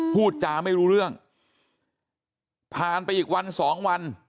พูดจาไม่รู้เรื่องผ่านไปอีกวันสองวัน